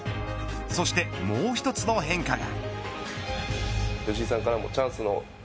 そしてもう１つの変化が。